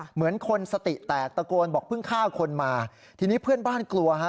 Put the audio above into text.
เหมือนคนสติแตกตะโกนบอกเพิ่งฆ่าคนมาทีนี้เพื่อนบ้านกลัวฮะ